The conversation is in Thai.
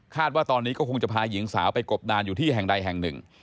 ว่าตอนนี้ก็คงจะพาหญิงสาวไปกบดานอยู่ที่แห่งใดแห่งหนึ่ง